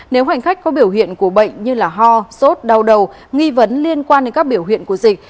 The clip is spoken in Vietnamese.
nếu hành khách có biểu hiện của bệnh như ho sốt đau đầu nghi vấn liên quan đến các biểu hiện của dịch